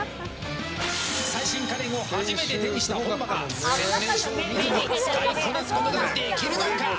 最新家電を初めて手にした本間が説明書を見ずに使いこなすことができるのか。